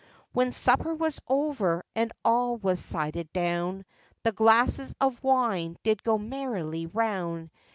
When supper was over, and all was sided down, The glasses of wine did go merrily roun'.